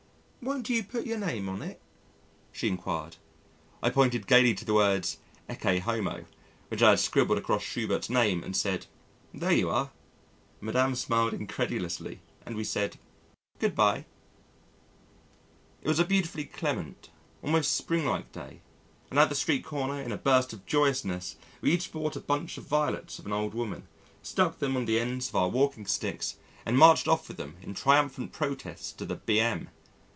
"Won't you put your name on it?" she inquired. I pointed gaily to the words "Ecce homo," which I had scribbled across Schubert's name and said, "There you are." Madame smiled incredulously and we said, "Good bye." It was a beautifully clement almost springlike day, and at the street corner, in a burst of joyousness, we each bought a bunch of violets of an old woman, stuck them on the ends of our walking sticks, and marched off with them in triumphant protest to the B.M.